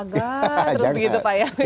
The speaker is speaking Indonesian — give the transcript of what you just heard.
terus begitu pak ya